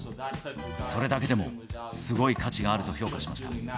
それだけでもすごい価値があると評価しました。